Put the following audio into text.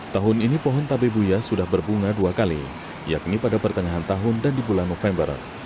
tahun ini pohon tabebuya sudah berbunga dua kali yakni pada pertengahan tahun dan di bulan november